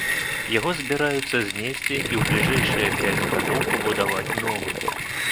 Яго збіраюцца знесці і ў бліжэйшыя пяць гадоў пабудаваць новы.